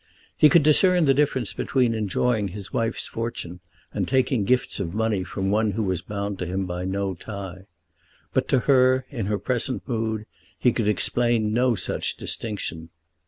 He could discern the difference between enjoying his wife's fortune and taking gifts of money from one who was bound to him by no tie; but to her in her present mood he could explain no such distinction.